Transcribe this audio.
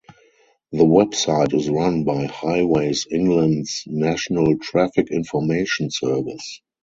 The website is run by Highways England's National Traffic Information Service.